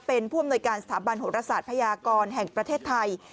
เป็นผู้อำนวยการสถาบันโหรศาสตร์พยากรแห่งประเทศไทย